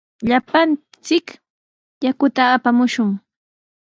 Llapallanchik yakuta apamushun.